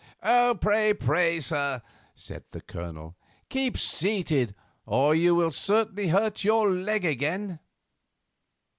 "Pray, pray, sir," said the Colonel, "keep seated, or you will certainly hurt your leg again."